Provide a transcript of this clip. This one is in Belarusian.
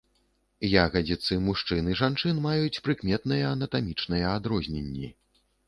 Ягадзіцы мужчын і жанчын маюць прыкметныя анатамічныя адрозненні.